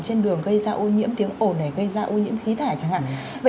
xe định kỷ dù đồ xe quá cũ